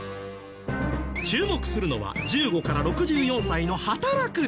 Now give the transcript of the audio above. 注目するのは１５から６４歳の働く人口。